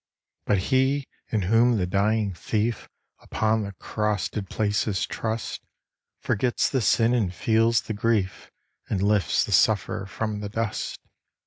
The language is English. But He in whom the dying thief Upon the Cross did place his trust, Forgets the sin and feels the grief, And lifts the sufferer from the dust.